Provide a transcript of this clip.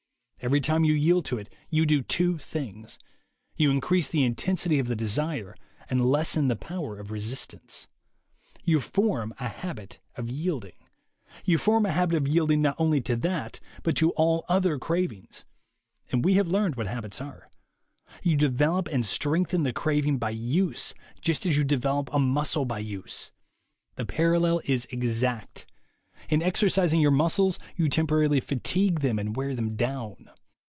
Every time you yield to it, you do two things : you increase the intensity of the desire and lessen the power of resistance. You form a habit of yield ing. You form a habit of yielding not only to that, but to all other cravings — and we have learned what habits are. You develop and strength en the craving by use, just as you develop a muscle by use. The parallel is exact. In exercising your muscles, you temporarily fatigue them and wear them down.